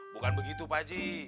bukan begitu pak haji